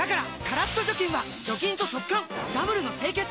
カラッと除菌は除菌と速乾ダブルの清潔！